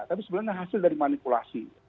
tapi sebenarnya hasil dari manipulasi